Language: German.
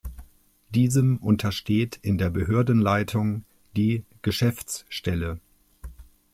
Diesem untersteht in der Behördenleitung die "Geschäftsstelle".